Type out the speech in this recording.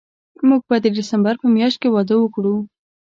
موږ به د ډسمبر په میاشت کې واده وکړو